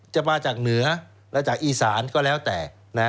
จะมาจากเหนือและจากอีสานก็แล้วแต่